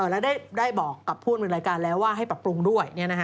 และได้บอกกับผู้อำนวยรายการแล้วว่าให้ปรับปรุงด้วย